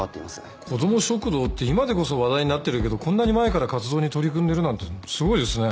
子供食堂って今でこそ話題になってるけどこんなに前から活動に取り組んでるなんてすごいですね。